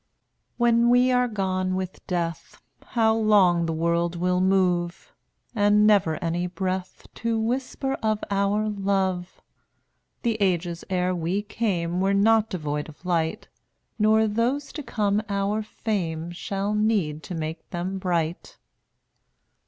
210 When we are gone with Death, How long the world will move, And never any breath To whisper of our love. The ages ere we came Were not devoid of light, Nor those to come our fame Shall need to make them bright.